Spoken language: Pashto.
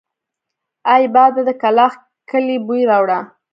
اې باده د کلاخ کلي بوی راوړه!